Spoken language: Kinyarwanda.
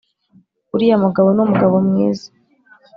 uriya mugabo ni umugabo mwiza